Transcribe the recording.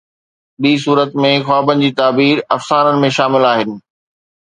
ٻي صورت ۾، خوابن جي تعبير افسانن ۾ شامل آهن